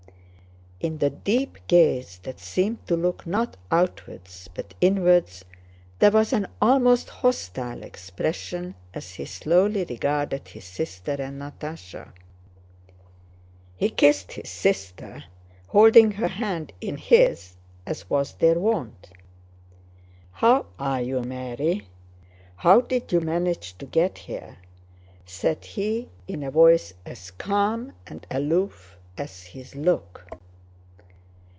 In the deep gaze that seemed to look not outwards but inwards there was an almost hostile expression as he slowly regarded his sister and Natásha. He kissed his sister, holding her hand in his as was their wont. "How are you, Mary? How did you manage to get here?" said he in a voice as calm and aloof as his look.